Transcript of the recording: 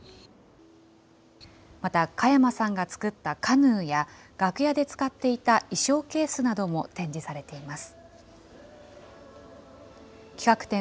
また、加山さんが作ったカヌーや、楽屋で使っていた衣装ケースなども展示されています。